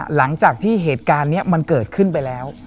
หลังจากที่เหตุการณ์นี้มันเกิดขึ้นไปแล้ว